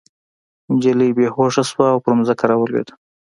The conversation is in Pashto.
نجلۍ بې هوښه شوه او په ځمکه راولوېده